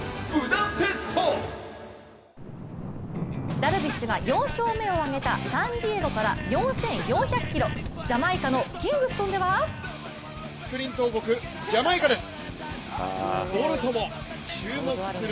ダルビッシュが４勝目を挙げたサンディエゴから４４００ｋｍジャマイカのキングストンでは早速取材に行ってきます！